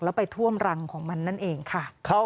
แล้วไปท่วมรังของมันนั่นเองค่ะ